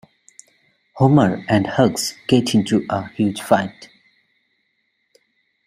Homer and Hugs get into a huge fight.